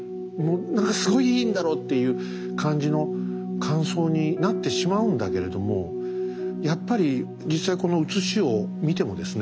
何かすごいいいんだろうっていう感じの感想になってしまうんだけれどもやっぱり実際この写しを見てもですね